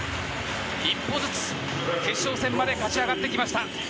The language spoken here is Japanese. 一歩ずつ決勝戦まで勝ち上がってきました。